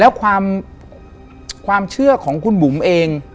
แล้วความเชื่อของคุณบุ๋มเอง